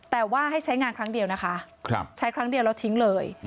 แต่ว่าให้ใช้งานครั้งเดียวนะคะใช้ครั้งเดียวแล้วทิ้งเลย